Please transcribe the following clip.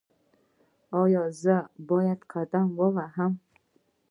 ایا زه باید قدم ووهم؟